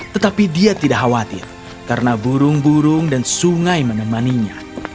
tetapi dia tidak khawatir karena burung burung dan sungai menemaninya